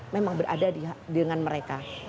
memang berada dengan mereka